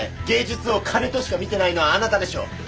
芸術を金としか見てないのはあなたでしょう。